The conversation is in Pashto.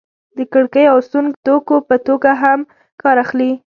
د کړکیو او سونګ توکو په توګه هم کار اخلي.